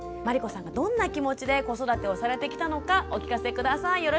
真理子さんがどんな気持ちで子育てをされてきたのかお聞かせ下さい。